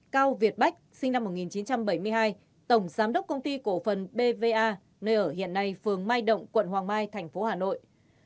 hai cao việt bách sinh năm một nghìn chín trăm bảy mươi hai tổng giám đốc công ty cổ phần bva nơi ở hiện nay phường sài đồng quận long biên tp hà nội